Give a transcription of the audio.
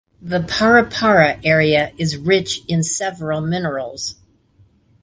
The Parapara area is rich in several minerals.